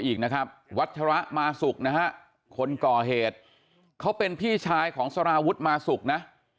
อีกนะครับวัชระมาสุกนะฮะคนก่อเหตุเขาเป็นพี่ชายของสารวุฒิมาสุกนะ